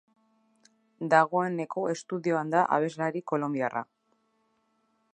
Dagoeneko estudioan da abeslari kolonbiarra.